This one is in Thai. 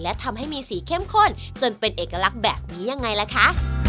และทำให้มีสีเข้มข้นจนเป็นเอกลักษณ์แบบนี้ยังไงล่ะคะ